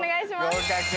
合格。